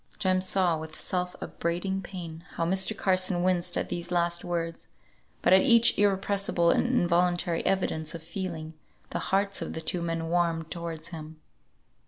Jem saw with self upbraiding pain how Mr. Carson winced at these last words, but at each irrepressible and involuntary evidence of feeling, the hearts of the two men warmed towards him.